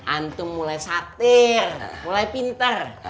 antum mulai satir mulai pinter